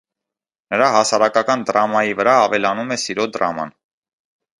Նրա հասարակական դրամայի վրա ավելանում է սիրո դրաման։